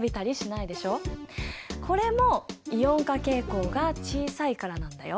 これもイオン化傾向が小さいからなんだよ。